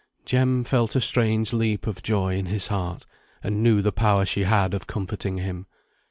Jem felt a strange leap of joy in his heart, and knew the power she had of comforting him.